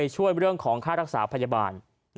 ช่วยเรื่องของค่ารักษาพยาบาล